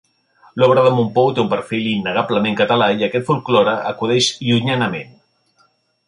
L'obra de Mompou té un perfil innegablement català i a aquest folklore acudeix llunyanament.